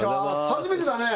初めてだね